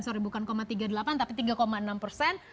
sorry bukan tiga puluh delapan tapi tiga enam persen